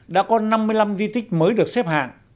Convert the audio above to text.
đã có năm mươi năm di tích mới được xếp hạng